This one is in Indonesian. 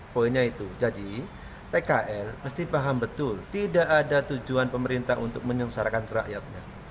poinnya itu jadi pkl mesti paham betul tidak ada tujuan pemerintah untuk menyengsarakan rakyatnya